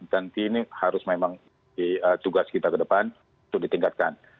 dan ini harus memang tugas kita ke depan untuk ditingkatkan